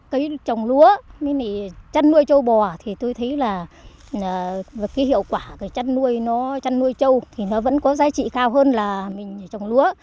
cái trồng lúa chăn nuôi châu bò thì tôi thấy là hiệu quả chăn nuôi châu thì nó vẫn có giá trị cao hơn là mình trồng lúa